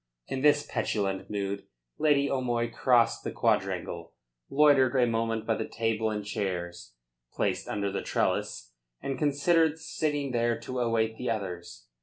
In this petulant mood, Lady O'Moy crossed the quadrangle, loitered a moment by the table and chairs placed under the trellis, and considered sitting there to await the others.